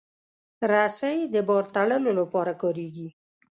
رسۍ د بار تړلو لپاره کارېږي.